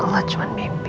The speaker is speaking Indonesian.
ya allah cuman mimpi